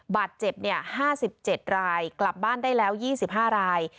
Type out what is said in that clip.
บาดเจ็บ๕๗รายกลับบ้านได้แล้ว๒๕ราย